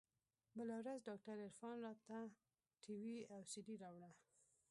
بله ورځ ډاکتر عرفان راته ټي وي او سي ډي راوړه.